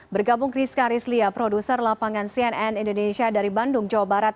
bergabung rizka rizlia produser lapangan cnn indonesia dari bandung jawa barat